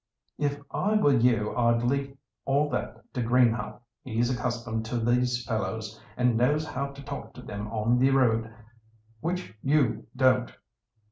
"If I were you I'd leave all that to Greenhaugh; he's accustomed to these fellows, and knows how to talk to them on the road, which you don't.